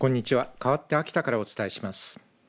かわって秋田からお伝えします。